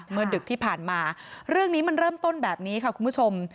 ดึกที่ผ่านมาเรื่องนี้มันเริ่มต้นแบบนี้ค่ะคุณผู้ชม